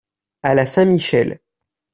À la Saint-Michel.